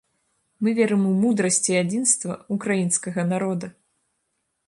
Мы верым у мудрасць і адзінства ўкраінскага народа!